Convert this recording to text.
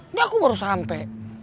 ini aku baru sampe